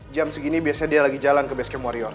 jam segini biasanya dia lagi jalan ke basecamp warrior